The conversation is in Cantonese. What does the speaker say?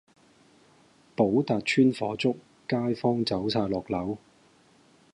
寶達邨火燭，街坊走曬落樓